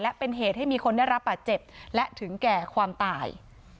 และเป็นเหตุให้มีคนได้รับบาดเจ็บและถึงแก่ความตาย